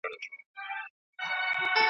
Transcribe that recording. او د مفاهیمو هغه عمق چي .